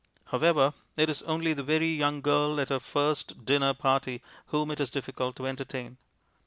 However, it is only the very young girl at her first dinner party whom it is difficult to entertain.